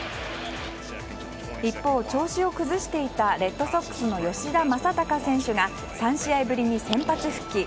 一方、調子を崩していたレッドソックスの吉田正尚選手が３試合ぶりに先発復帰。